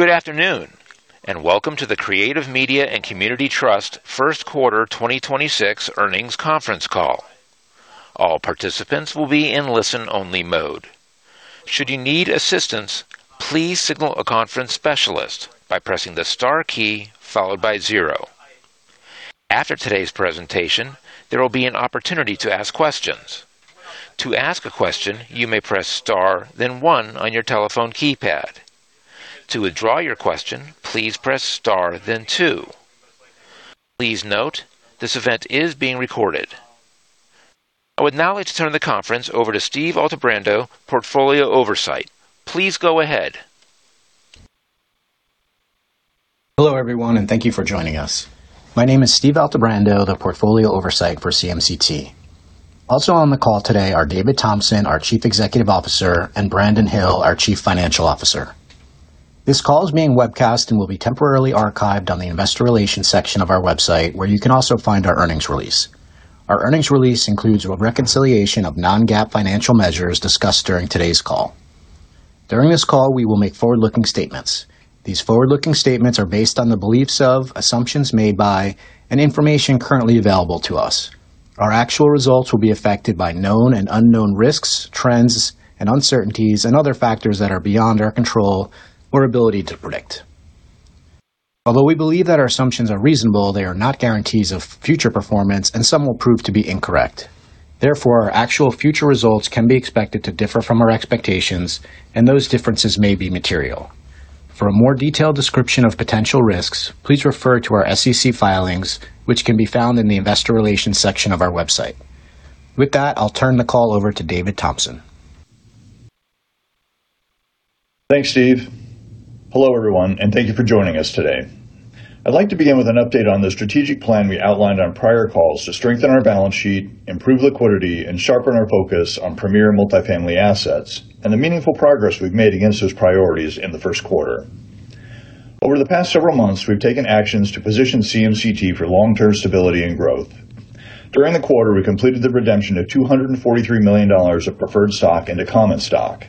Good afternoon, welcome to the Creative Media & Community Trust first quarter 2026 earnings conference call. All participants will be in only-listen mode. Should you need assistance, please signal conference specialist by pressing the star key followed by zero. After today's presentation there will be an opportunity to ask questions. To ask a question you may press star then one on your telephone keypad. To withdraw your question, please press star then two. Please note this event is being recorded. I would now like to turn the conference over to Steve Altebrando, Portfolio Oversight. Please go ahead. Hello, everyone, and thank you for joining us. My name is Steve Altebrando, the Portfolio Oversight for CMCT. Also on the call today are David Thompson, our Chief Executive Officer, and Brandon Hill, our Chief Financial Officer. This call is being webcast and will be temporarily archived on the Investor Relations section of our website, where you can also find our earnings release. Our earnings release includes a reconciliation of non-GAAP financial measures discussed during today's call. During this call, we will make forward-looking statements. These forward-looking statements are based on the beliefs of, assumptions made by, and information currently available to us. Our actual results will be affected by known and unknown risks, trends, and uncertainties, and other factors that are beyond our control or ability to predict. Although we believe that our assumptions are reasonable, they are not guarantees of future performance, and some will prove to be incorrect. Therefore, our actual future results can be expected to differ from our expectations, and those differences may be material. For a more detailed description of potential risks, please refer to our SEC filings, which can be found in the Investor Relations section of our website. With that, I'll turn the call over to David Thompson. Thanks, Steve. Hello, everyone, and thank you for joining us today. I'd like to begin with an update on the strategic plan we outlined on prior calls to strengthen our balance sheet, improve liquidity, and sharpen our focus on premier multifamily assets and the meaningful progress we've made against those priorities in the first quarter. Over the past several months, we've taken actions to position CMCT for long-term stability and growth. During the quarter, we completed the redemption of $243 million of preferred stock into common stock.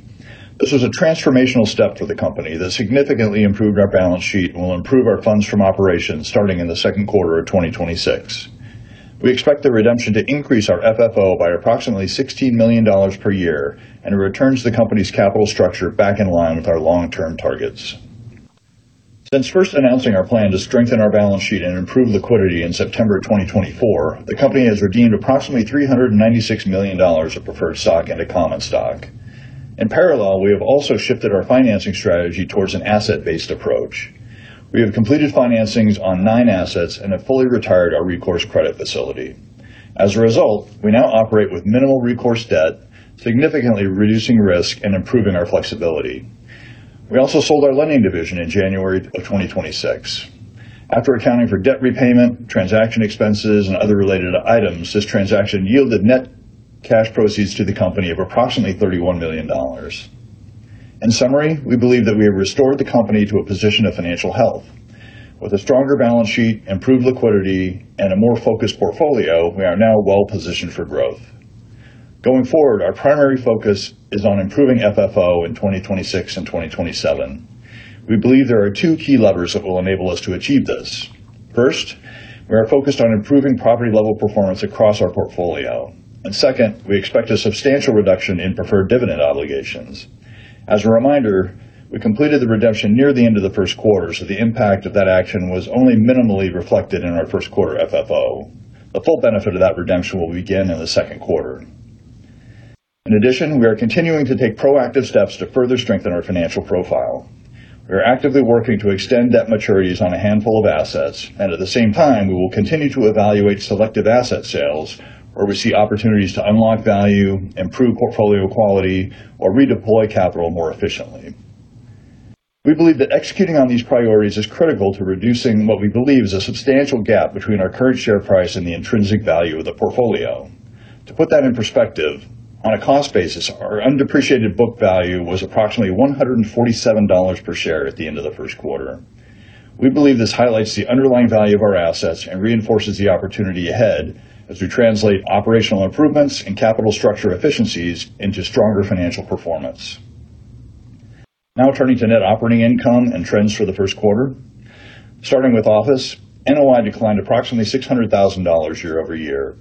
This was a transformational step for the company that significantly improved our balance sheet and will improve our funds from operations starting in the second quarter of 2026. We expect the redemption to increase our FFO by approximately $16 million per year, and it returns the company's capital structure back in line with our long-term targets. Since first announcing our plan to strengthen our balance sheet and improve liquidity in September of 2024, the company has redeemed approximately $396 million of preferred stock into common stock. In parallel, we have also shifted our financing strategy towards an asset-based approach. We have completed financings on nine assets and have fully retired our recourse credit facility. As a result, we now operate with minimal recourse debt, significantly reducing risk and improving our flexibility. We also sold our lending division in January of 2026. After accounting for debt repayment, transaction expenses, and other related items, this transaction yielded net cash proceeds to the company of approximately $31 million. In summary, we believe that we have restored the company to a position of financial health. With a stronger balance sheet, improved liquidity, and a more focused portfolio, we are now well-positioned for growth. Going forward, our primary focus is on improving FFO in 2026 and 2027. We believe there are two key levers that will enable us to achieve this. First, we are focused on improving property-level performance across our portfolio. Second, we expect a substantial reduction in preferred dividend obligations. As a reminder, we completed the redemption near the end of the first quarter, so the impact of that action was only minimally reflected in our first quarter FFO. The full benefit of that redemption will begin in the second quarter. In addition, we are continuing to take proactive steps to further strengthen our financial profile. We are actively working to extend debt maturities on a handful of assets, and at the same time, we will continue to evaluate selective asset sales where we see opportunities to unlock value, improve portfolio quality, or redeploy capital more efficiently. We believe that executing on these priorities is critical to reducing what we believe is a substantial gap between our current share price and the intrinsic value of the portfolio. To put that in perspective, on a cost basis, our undepreciated book value was approximately $147 per share at the end of the first quarter. We believe this highlights the underlying value of our assets and reinforces the opportunity ahead as we translate operational improvements and capital structure efficiencies into stronger financial performance. Turning to net operating income and trends for the first quarter. Starting with office, NOI declined approximately $600,000 year-over-year.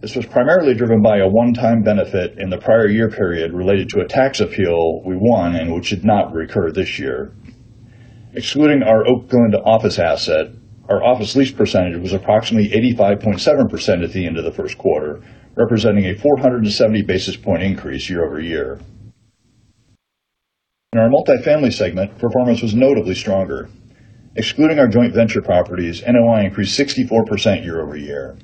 This was primarily driven by a one-time benefit in the prior year period related to a tax appeal we won and which should not recur this year. Excluding our Oakland office asset, our office lease percentage was approximately 85.7% at the end of the first quarter, representing a 470 basis point increase year-over-year. In our multifamily segment, performance was notably stronger. Excluding our joint venture properties, NOI increased 64% year-over-year.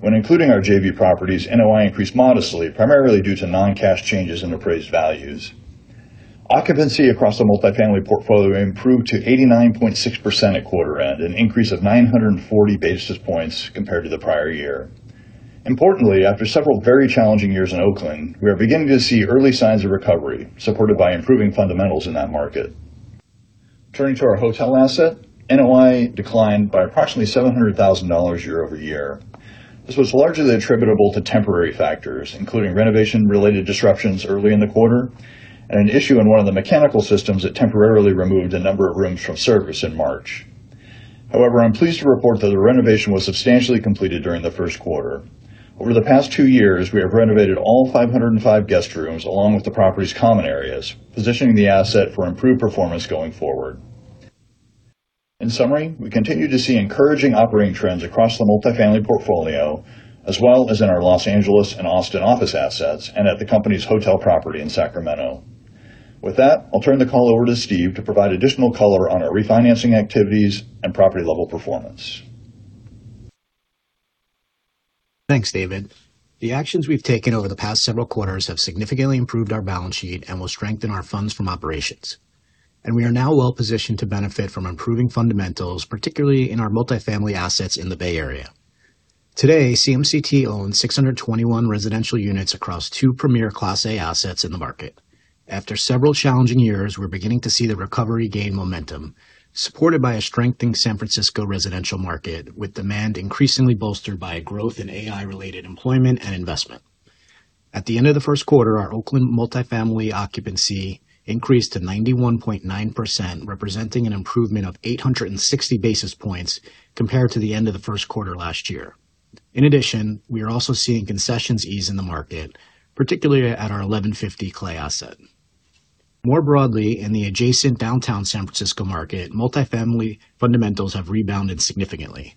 When including our JV properties, NOI increased modestly, primarily due to non-cash changes in appraised values. Occupancy across the multifamily portfolio improved to 89.6% at quarter end, an increase of 940 basis points compared to the prior year. Importantly, after several very challenging years in Oakland, we are beginning to see early signs of recovery, supported by improving fundamentals in that market. Turning to our hotel asset, NOI declined by approximately $700,000 year-over-year. This was largely attributable to temporary factors, including renovation-related disruptions early in the quarter and an issue in one of the mechanical systems that temporarily removed a number of rooms from service in March. I'm pleased to report that the renovation was substantially completed during the first quarter. Over the past two years, we have renovated all 505 guest rooms, along with the property's common areas, positioning the asset for improved performance going forward. In summary, we continue to see encouraging operating trends across the multifamily portfolio, as well as in our Los Angeles and Austin office assets and at the company's hotel property in Sacramento. With that, I'll turn the call over to Steve to provide additional color on our refinancing activities and property level performance. Thanks, David. The actions we've taken over the past several quarters have significantly improved our balance sheet and will strengthen our funds from operations. We are now well-positioned to benefit from improving fundamentals, particularly in our multifamily assets in the Bay Area. Today, CMCT owns 621 residential units across two premier Class A assets in the market. After several challenging years, we're beginning to see the recovery gain momentum, supported by a strengthening San Francisco residential market, with demand increasingly bolstered by growth in AI-related employment and investment. At the end of the first quarter, our Oakland multifamily occupancy increased to 91.9%, representing an improvement of 860 basis points compared to the end of the first quarter last year. In addition, we are also seeing concessions ease in the market, particularly at our 1150 Clay asset. More broadly, in the adjacent downtown San Francisco market, multifamily fundamentals have rebounded significantly.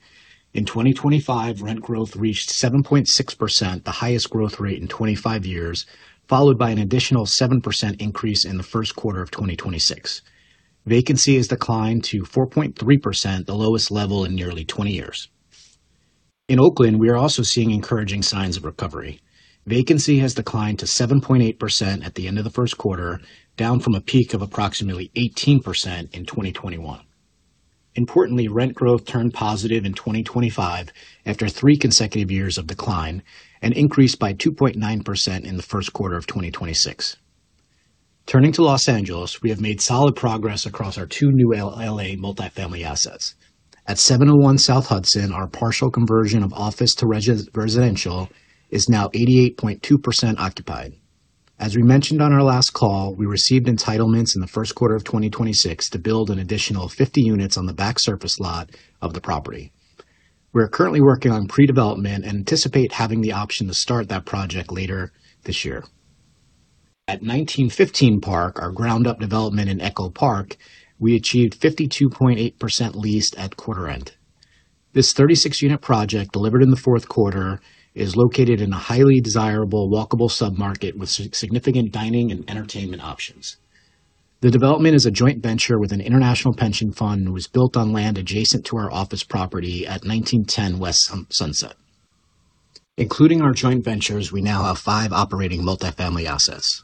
In 2025, rent growth reached 7.6%, the highest growth rate in 25 years, followed by an additional 7% increase in the first quarter of 2026. Vacancy has declined to 4.3%, the lowest level in nearly 20 years. In Oakland, we are also seeing encouraging signs of recovery. Vacancy has declined to 7.8% at the end of the first quarter, down from a peak of approximately 18% in 2021. Importantly, rent growth turned positive in 2025 after three consecutive years of decline and increased by 2.9% in the first quarter of 2026. Turning to Los Angeles, we have made solid progress across our two new L.A. multifamily assets. At 701 South Hudson, our partial conversion of office to residential is now 88.2% occupied. As we mentioned on our last call, we received entitlements in the first quarter of 2026 to build an additional 50 units on the back surface lot of the property. We are currently working on pre-development and anticipate having the option to start that project later this year. At 1915 Park, our ground-up development in Echo Park, we achieved 52.8% leased at quarter end. This 36-unit project, delivered in the fourth quarter, is located in a highly desirable walkable submarket with significant dining and entertainment options. The development is a joint venture with an international pension fund and was built on land adjacent to our office property at 1910 West Sunset. Including our joint ventures, we now have five operating multifamily assets.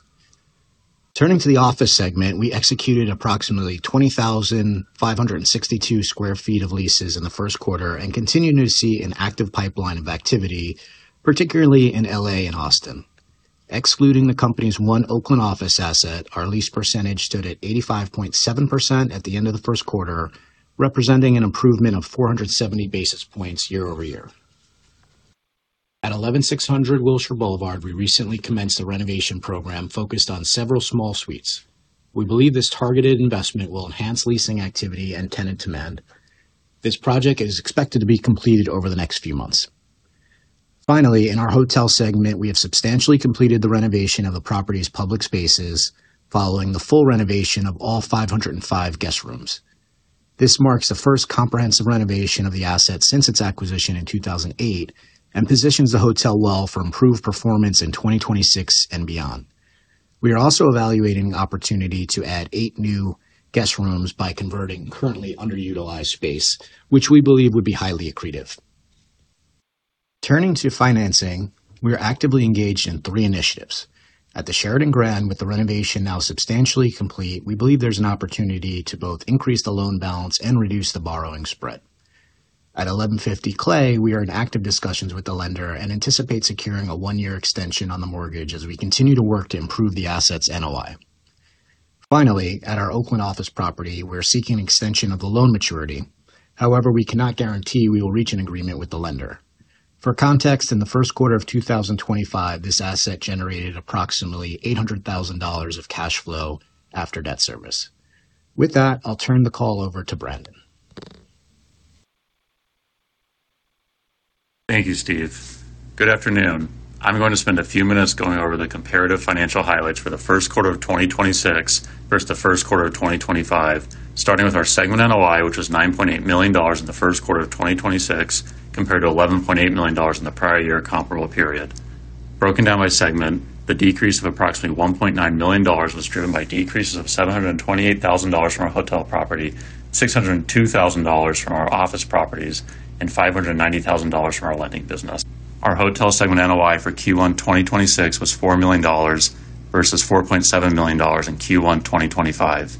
Turning to the office segment, we executed approximately 20,562 sq ft of leases in the first quarter and continue to see an active pipeline of activity, particularly in L.A. and Austin. Excluding the company's one Oakland office asset, our lease percentage stood at 85.7% at the end of the first quarter, representing an improvement of 470 basis points year-over-year. At 11600 Wilshire Boulevard, we recently commenced a renovation program focused on several small suites. We believe this targeted investment will enhance leasing activity and tenant demand. This project is expected to be completed over the next few months. Finally, in our hotel segment, we have substantially completed the renovation of the property's public spaces following the full renovation of all 505 guest rooms. This marks the first comprehensive renovation of the asset since its acquisition in 2008 and positions the hotel well for improved performance in 2026 and beyond. We are also evaluating the opportunity to add eight new guest rooms by converting currently underutilized space, which we believe would be highly accretive. Turning to financing, we are actively engaged in three initiatives. At the Sheraton Grand, with the renovation now substantially complete, we believe there's an opportunity to both increase the loan balance and reduce the borrowing spread. At 1150 Clay, we are in active discussions with the lender and anticipate securing a one-year extension on the mortgage as we continue to work to improve the asset's NOI. Finally, at our Oakland office property, we're seeking extension of the loan maturity. We cannot guarantee we will reach an agreement with the lender. For context, in the first quarter of 2025, this asset generated approximately $800,000 of cash flow after debt service. With that, I'll turn the call over to Brandon. Thank you, Steve. Good afternoon. I'm going to spend a few minutes going over the comparative financial highlights for the first quarter of 2026 versus the first quarter of 2025, starting with our segment NOI, which was $9.8 million in the first quarter of 2026 compared to $11.8 million in the prior year comparable period. Broken down by segment, the decrease of approximately $1.9 million was driven by decreases of $728,000 from our hotel property, $602,000 from our office properties, and $590,000 from our lending business. Our hotel segment NOI for Q1 2026 was $4 million versus $4.7 million in Q1 2025.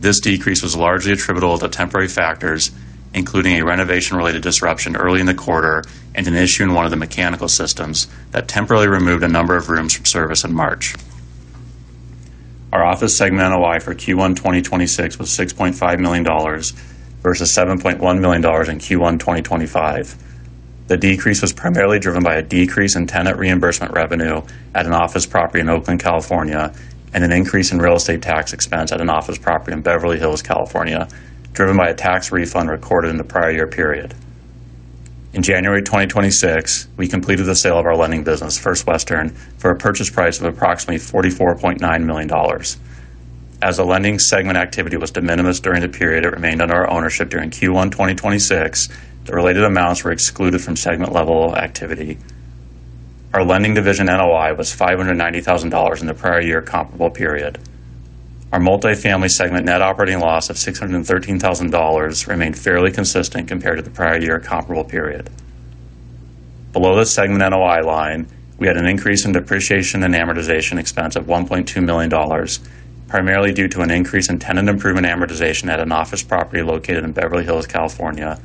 This decrease was largely attributable to temporary factors, including a renovation-related disruption early in the quarter and an issue in one of the mechanical systems that temporarily removed a number of rooms from service in March. Our office segment NOI for Q1 2026 was $6.5 million versus $7.1 million in Q1 2025. The decrease was primarily driven by a decrease in tenant reimbursement revenue at an office property in Oakland, California, and an increase in real estate tax expense at an office property in Beverly Hills, California, driven by a tax refund recorded in the prior year period. In January 2026, we completed the sale of our lending business, First Western, for a purchase price of approximately $44.9 million. As the lending segment activity was de minimis during the period it remained under our ownership during Q1 2026, the related amounts were excluded from segment-level activity. Our lending division NOI was $590,000 in the prior year comparable period. Our multifamily segment net operating loss of $613,000 remained fairly consistent compared to the prior year comparable period. Below the segment NOI line, we had an increase in depreciation and amortization expense of $1.2 million, primarily due to an increase in tenant improvement amortization at an office property located in Beverly Hills, California,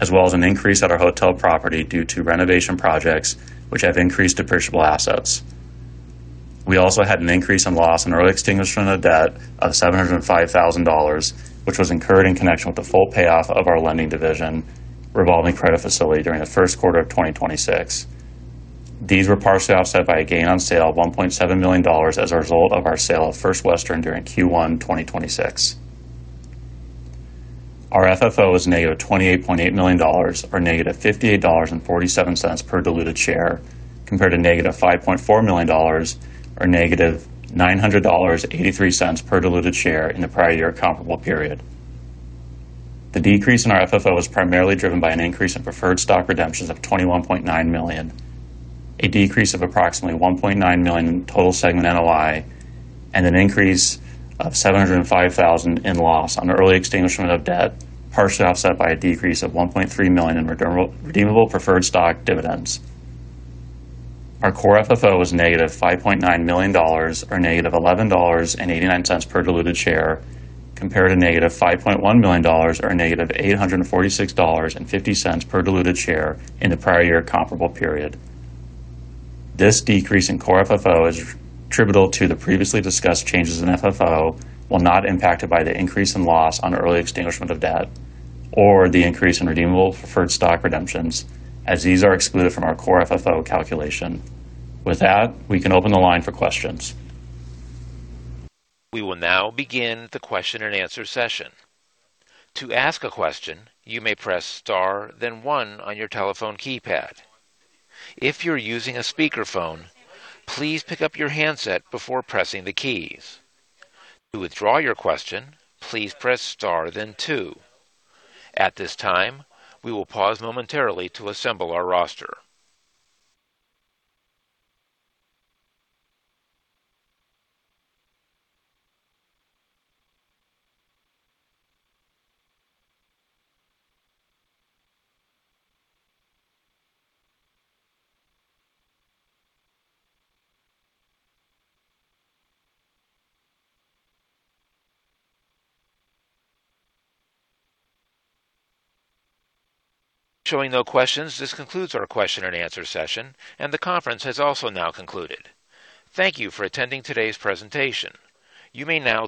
as well as an increase at our hotel property due to renovation projects which have increased depreciable assets. We also had an increase in loss in early extinguishment of debt of $705,000, which was incurred in connection with the full payoff of our lending division revolving credit facility during the first quarter of 2026. These were partially offset by a gain on sale of $1.7 million as a result of our sale of First Western during Q1 2026. Our FFO was -$28.8 million, or -$58.47 per diluted share, compared to -$5.4 million or -$900.83 per diluted share in the prior year comparable period. The decrease in our FFO was primarily driven by an increase in preferred stock redemptions of $21.9 million, a decrease of approximately $1.9 million in total segment NOI, and an increase of $705,000 in loss on early extinguishment of debt, partially offset by a decrease of $1.3 million in redeemable preferred stock dividends. Our Core FFO was -$5.9 million, or -$11.89 per diluted share, compared to -$5.1 million or -$846.50 per diluted share in the prior year comparable period. This decrease in Core FFO is attributable to the previously discussed changes in FFO while not impacted by the increase in loss on early extinguishment of debt or the increase in redeemable preferred stock redemptions, as these are excluded from our Core FFO calculation. With that, we can open the line for questions. We will now begin the question and answer session. To ask a question, you may press star then one on your telephone keypad. If you're using a speakerphone, please pick up your handset before pressing the keys. To withdraw your question, please press star then two. At this time, we will pause momentarily to assemble our roster. Showing no questions, this concludes our question and answer session and the conference has also now concluded. Thank you for attending today's presentation. You may now disconnect.